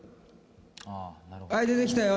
はい出てきたよ